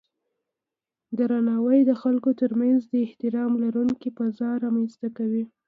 درناوی د خلکو ترمنځ د احترام لرونکی فضا رامنځته کوي.